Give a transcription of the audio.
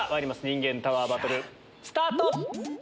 にんげんタワーバトルスタート！